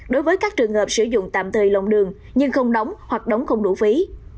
đối với các trường hợp sử dụng tạm thời lòng đường nhưng không đóng hoặc đóng không đủ phí